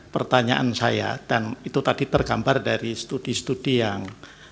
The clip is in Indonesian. pertanyaan saya dan itu tadi tergambar dari studi studi yang